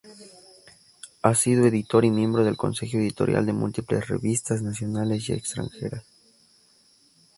Ha sido editor y miembro del Consejo Editorial de múltiples revistas nacionales y extranjeras.